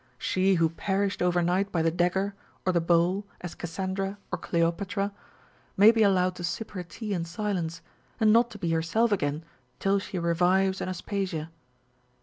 She who perished over night by the dagger or the bowl as Cassandra or Cleopatra, may be allowed to sip her tea in silence, and not to be herself again till she revives in Aspasia.